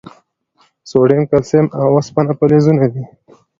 سوډیم، کلسیم، او اوسپنه فلزونه دي.